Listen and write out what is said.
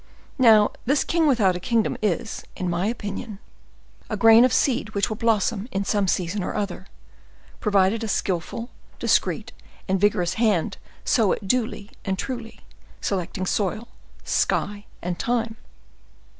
Now, this king without a kingdom is, in my opinion, a grain of seed which will blossom in some season or other, provided a skillful, discreet, and vigorous hand sow it duly and truly, selecting soil, sky, and time."